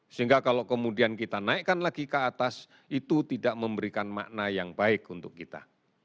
sehingga kalau kemudian kita naikkan lagi ke atas itu tidak memberikan makna yang baik untuk kita